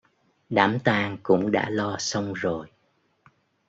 Đám tang cũng đã lo xong rồi